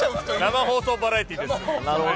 生放送バラエティーです。